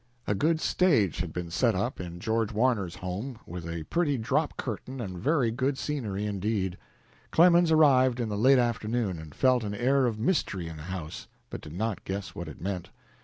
A good stage had been set up in George Warner's home, with a pretty drop curtain and very good scenery indeed. Clemens arrived in the late afternoon, and felt an air of mystery in the house, but did not guess what it meant.